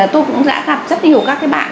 tôi cũng đã gặp rất nhiều các cái bạn